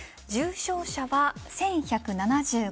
重症者は１１７５人。